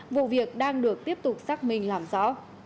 vụ việc đang được tiếp tục xác minh làm rõ